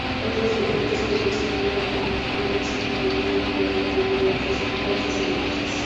Otros decretos perfeccionaron la política y la expandieron para incluir a otras industrias.